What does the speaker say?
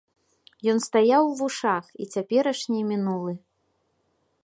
Ён стаяў у вушах, і цяперашні і мінулы.